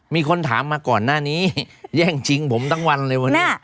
มีคนถามมาก่อนหน้านี้แย่งชิงผมทั้งวันเลยวันนี้